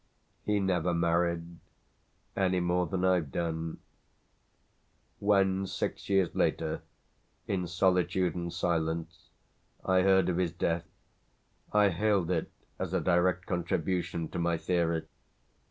He never married, any more than I've done. When six years later, in solitude and silence, I heard of his death I hailed it as a direct contribution to my theory.